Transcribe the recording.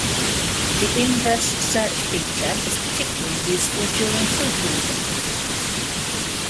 The inverse search feature is particularly useful during proofreading.